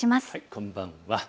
こんばんは。